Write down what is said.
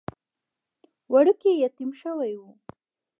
وړوکی يتيم شوی و.